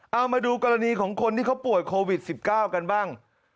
เอามาดูกรณีของคนที่เขาป่วยโควิด๑๙กันบ้าง